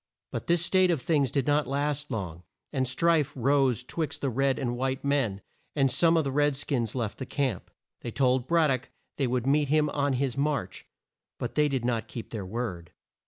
But this state of things did not last long, and strife rose twixt the red and white men, and some of the red skins left the camp. They told Brad dock they would meet him on his march, but they did not keep their word.